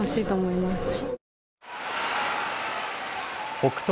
北勝